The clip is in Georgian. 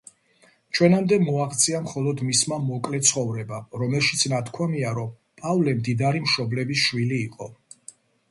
ჩვენამდე მოაღწია მხოლოდ მისმა მოკლე ცხოვრებამ, რომელშიც ნათქვამია, რომ პავლე მდიდარი მშობლების შვილი იყო.